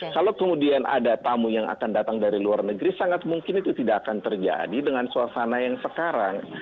kalau kemudian ada tamu yang akan datang dari luar negeri sangat mungkin itu tidak akan terjadi dengan suasana yang sekarang